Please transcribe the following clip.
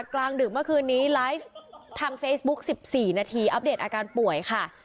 กลางดึกเมื่อคืนนี้ไลฟ์ทางเฟซบุ๊ก๑๔นาทีอัปเดตอาการป่วยค่ะ